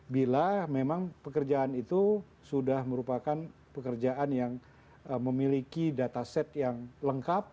bila memang pekerjaan itu sudah merupakan pekerjaan yang memiliki data set yang lengkap